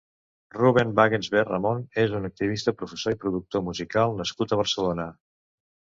Ruben Wagensberg Ramon és un activista, professor i productor musical nascut a Barcelona.